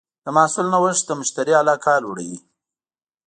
د محصول نوښت د مشتری علاقه لوړوي.